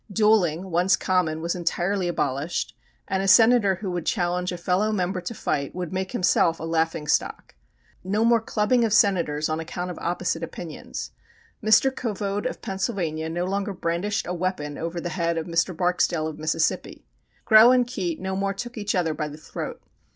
Duelling, once common, was entirely abolished, and a Senator who would challenge a fellow member to fight would make himself a laughing stock. No more clubbing of Senators on account of opposite opinions! Mr. Covode of Pennsylvania, no longer brandished a weapon over the head of Mr. Barksdale of Mississippi. Grow and Keitt no more took each other by the throat.